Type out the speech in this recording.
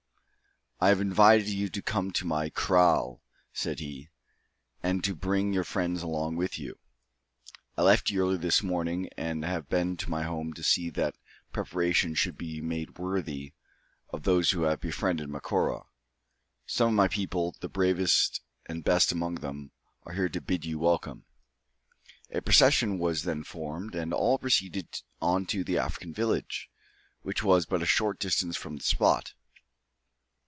"I have invited you to come to my kraal," said he, "and to bring your friends along with you. I left you early this morning, and have been to my home to see that preparations should be made worthy of those who have befriended Macora. Some of my people, the bravest and best amongst them, are here to bid you welcome." A procession was then formed, and all proceeded on to the African village, which was but a short distance from the spot.